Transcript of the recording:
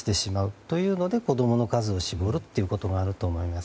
というので、子供の数を絞るということがあると思います。